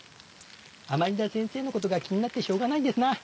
甘利田先生の事が気になってしょうがないんですな。